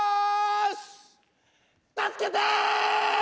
助けて！